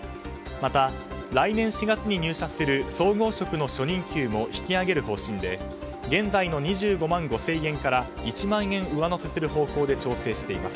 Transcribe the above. また来年４月に入社する総合職の初任給も引き上げる方針で現在の２５万５０００円から１万円上乗せする方向で調整しています。